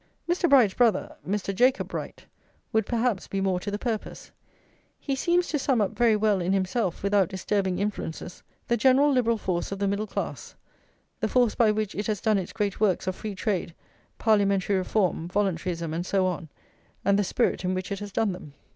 Mr. Bright's brother, Mr. Jacob Bright, would, perhaps, be more to the purpose; he seems to sum up very well in himself, without disturbing influences, the general liberal force of the middle class, the force by which it has done its great works of free trade, parliamentary reform, voluntaryism, and so on, and the spirit in which it has done them.